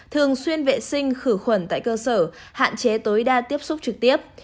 thường xuyên vệ sinh khử khuẩn tại cơ sở hạn chế tối đa tiếp xúc trực tiếp